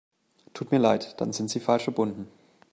Tut mir leid, dann sind Sie falsch verbunden.